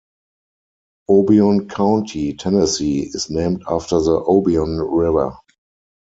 Obion County, Tennessee, is named after the Obion River.